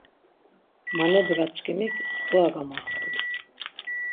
Manebraçkimik mdğura gamaxtu.